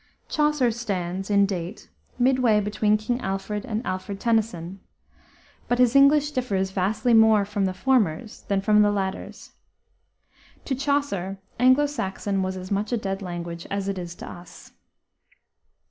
Chaucer stands, in date, midway between King Alfred and Alfred Tennyson, but his English differs vastly more from the former's than from the latter's. To Chaucer Anglo Saxon was as much a dead language as it is to us.